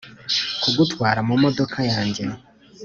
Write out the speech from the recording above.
kugutwara mumodoka yanjye